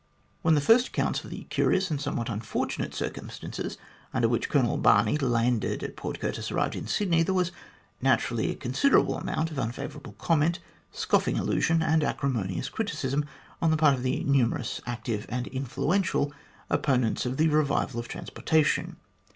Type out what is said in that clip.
When the first accounts of the curious and somewhat un fortunate circumstances under which Colonel Barney landed at Port Curtis arrived in Sydney, there was naturally a con siderable amount of unfavourable comment, scoffing allusion, and acrimonious criticism on the part of the numerous, active, and influential opponents of the revival of transportation.